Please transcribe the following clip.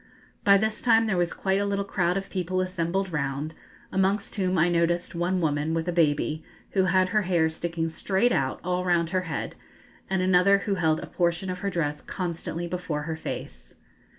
By this time there was quite a little crowd of people assembled round, amongst whom I noticed one woman with a baby, who had her hair sticking straight out all round her head, and another who held a portion of her dress constantly before her face.